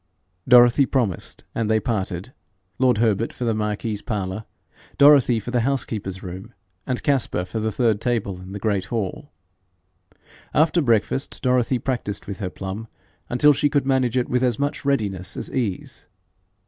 Dorothy promised, and they parted lord Herbert for the marquis's parlour, Dorothy for the housekeeper's room, and Caspar for the third table in the great hall. After breakfast Dorothy practised with her plum until she could manage it with as much readiness as ease.